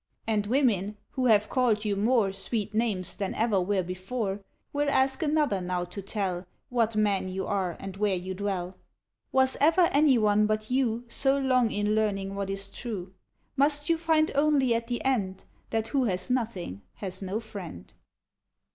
And women, who have called you more Sweet names than ever were before, Will ask another now to tell What man you are and where you dwell. Was ever anyone but you So long in learning what is true ? Must you find only at the end That who has nothing has no friend